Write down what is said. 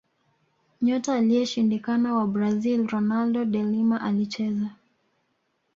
nyota aliyeshindikana wa brazil ronaldo de lima alicheza